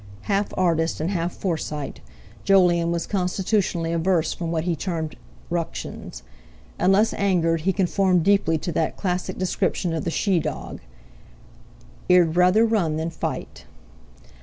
Half artist, and half Forsyte, Jolyon was constitutionally averse from what he termed "ructions"; unless angered, he conformed deeply to that classic description of the she dog, "Er'd ruther run than fight."